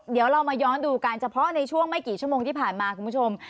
เดี๋ยวเรามาย้อนดูกันเฉพาะในช่วงไม่กี่ชั่วโมงที่ผ่านมาคุณผู้ชม